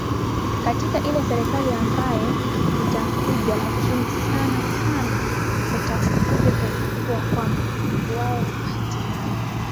katika ile serikali ambaye itakuja lakini sana sana utakuja kugundua kwamba wao hatimaye